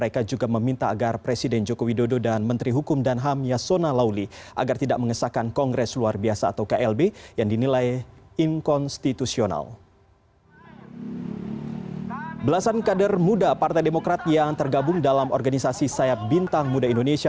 belasan kader muda partai demokrat yang tergabung dalam organisasi sayap bintang muda indonesia